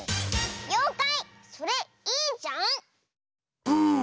「ようかいそれいいじゃん」！